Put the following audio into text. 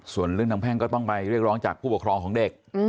ส่วนเรื่องทางแพ่งก็ต้องไปเรียกร้องจากผู้ปกครองของเด็ก